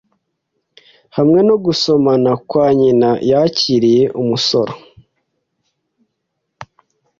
hamwe no gusomana kwa nyina yakiriye umusoro